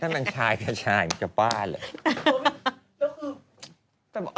ถ้ามันชายก็ชายก็กลับบ้านเลย